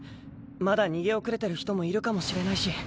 まだ逃げ遅れてる人もいるかもしれないし。